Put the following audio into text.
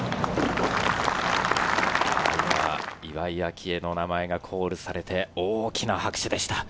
岩井明愛の名前がコールされて、大きな拍手でした。